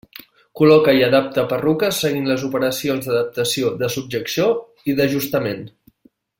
Col·loca i adapta perruques seguint les operacions d'adaptació, de subjecció i d'ajustament.